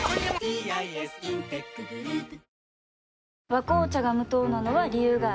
「和紅茶」が無糖なのは、理由があるんよ。